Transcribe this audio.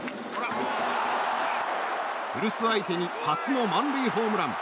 古巣相手に初の満塁ホームラン。